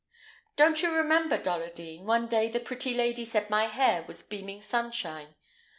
"Don't you remember, Dolladine, one day the pretty lady said my hair was beaming sunshine?